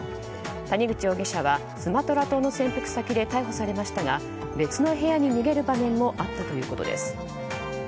谷口容疑者はスマトラ島の潜伏先で逮捕されましたが別の部屋に逃げる場面もあったということです。